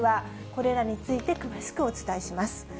これらについて詳しくお伝えします。